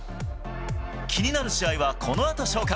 気になる試合はこのあと紹介。